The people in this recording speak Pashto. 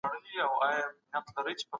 طبيعي پوهه د کائناتو پېژندنه ده.